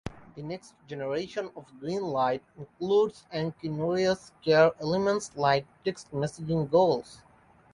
The next generation of Greenlight includes asynchronous care elements like text messaging goals.